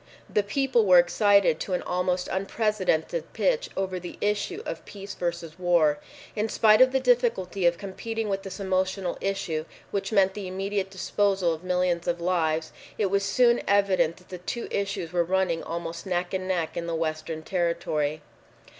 The people were excited to an almost unprecedented pitch over the issue of peace versus war. In spite of the difficulty of competing with this emotional issue which meant the immediate disposal of millions of lives, it was soon evident that the two issues were running almost neck and neck in the Western territory.